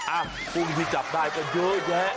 อ้าวภูมิที่จับได้ก็เยอะแยะ